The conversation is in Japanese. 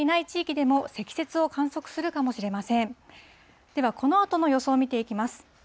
では、このあとの予想を見ていきます。